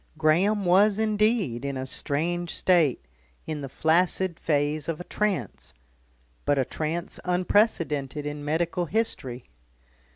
Graham was indeed in a strange state, in the flaccid phase of a trance, but a trance unprecedented in medical history.